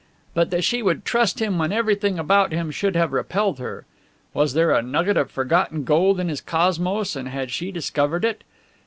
But that she would trust him when everything about him should have repelled her! Was there a nugget of forgotten gold in his cosmos, and had she discovered it?